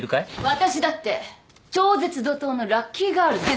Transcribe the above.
私だって超絶怒濤のラッキーガールですから！